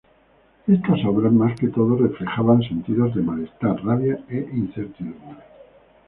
Estas obras más que todo reflejaban sentidos de malestar, rabia e incertidumbre.